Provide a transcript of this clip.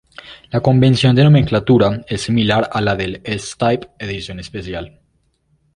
La convención de nomenclatura es similar a la del S-Type Edición Especial.